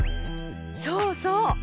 そうそう！